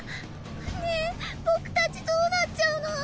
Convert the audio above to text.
ねえ僕たちどうなっちゃうの？